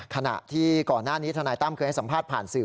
ขณะที่ก่อนหน้านี้ธนายตั้มเคยให้สัมภาษณ์ผ่านสื่อ